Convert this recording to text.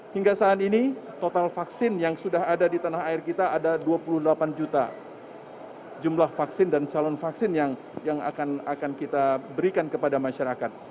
hingga saat ini total vaksin yang sudah ada di tanah air kita ada dua puluh delapan juta jumlah vaksin dan calon vaksin yang akan kita berikan kepada masyarakat